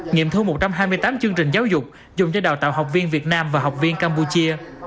nghiệm thu một trăm hai mươi tám chương trình giáo dục dùng cho đào tạo học viên việt nam và học viên campuchia